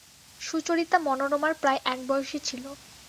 সুচরিতা মনোরমার প্রায় একবয়সী ছিল।